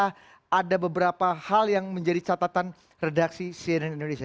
karena ada beberapa hal yang menjadi catatan redaksi cnn indonesia